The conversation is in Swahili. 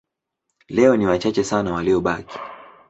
Leo ni wachache sana waliobaki.